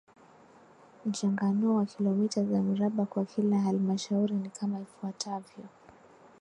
Mchanganuo wa kilomita za mraba kwa kila Halmashauri ni kama ifuatavyo